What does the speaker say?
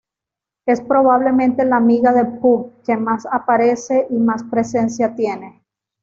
Es probablemente la amiga de Puck que más aparece y más presencia tiene.